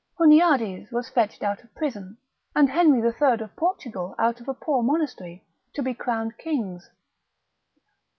Huniades was fetched out of prison, and Henry the Third of Portugal out of a poor monastery, to be crowned kings.